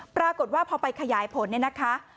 ปรากฏว่าพอไปขยายผลนะคะ